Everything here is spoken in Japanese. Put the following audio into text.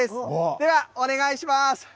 では、お願いします。